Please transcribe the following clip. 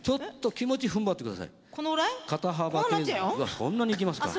そんなにいきますか。